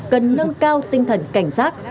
cần nâng cao tinh thần cảnh sát